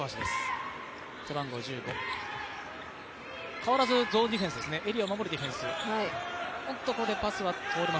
変わらずゾーンディフェンスですね、エリアを守るディフェンス。